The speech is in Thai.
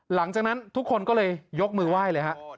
หลังจากนั้นทุกคนก็เลยยกมือไหว้เลยฮะ